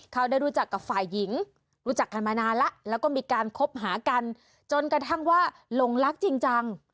เขาได้รู้จักกับฝ่ายหญิงรู้จักกันมานานแล้วแล้วก็มีการคบหากันจนกระทั่งว่าหลงรักจริงจัง